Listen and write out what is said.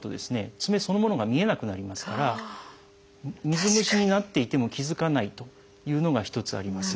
爪そのものが見えなくなりますから水虫になっていても気付かないというのが一つあります。